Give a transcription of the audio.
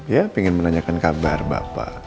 ya ingin menanyakan kabar bapak